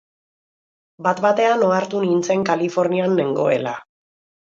Bat-batean ohartu nintzen Kalifornian nengoela.